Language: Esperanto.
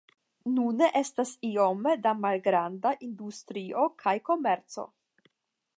Nune estas iome da malgrandaj industrio kaj komerco.